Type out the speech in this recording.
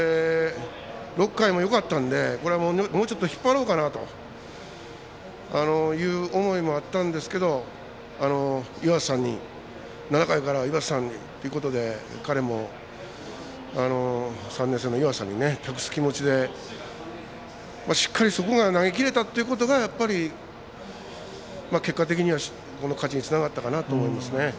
６回もよかったんでこれはもうちょっと引っ張ろうかなという思いもあったんですけど岩佐に７回から岩佐さんにということで彼も３年生の岩佐さんに託す気持ちでしっかり、そこが投げきれたということが結果的にはこの勝ちにつながったと思いますね。